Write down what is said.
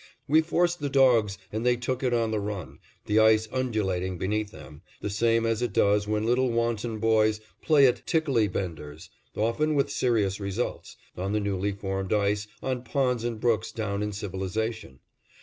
We forced the dogs and they took it on the run, the ice undulating beneath them, the same as it does when little wanton boys play at tickley benders, often with serious results, on the newly formed ice on ponds and brooks down in civilization.